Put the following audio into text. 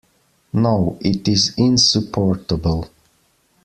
No, it is insupportable.